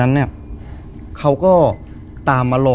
คือก่อนอื่นพี่แจ็คผมได้ตั้งชื่อ